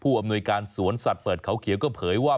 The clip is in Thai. อำนวยการสวนสัตว์เปิดเขาเขียวก็เผยว่า